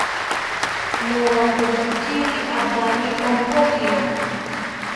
Nowakotakiri apani ompokiro